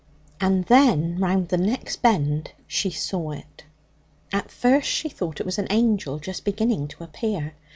And then, round the next bend, she saw it. At first she thought it was an angel just beginning to appear.